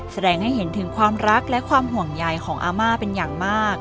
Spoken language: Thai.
แสดงให้เห็นถึงความรักและความห่วงใหญ่ของอาม่าเป็นอย่างมาก